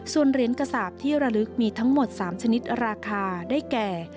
ส่วนเหรียญกระสาปที่ระลึกมีทั้งหมด๓ชนิดราคาได้แก่